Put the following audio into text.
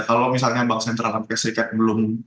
kalau misalnya bank sentral amerika serikat belum